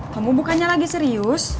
kamu bukannya lagi serius